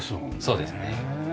そうですね。